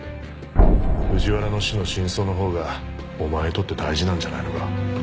藤原の死の真相のほうがお前にとって大事なんじゃないのか？